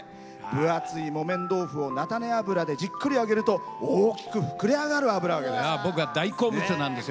分厚い木綿豆腐を菜種油でじっくり揚げると大きく膨れ上がる油揚げです。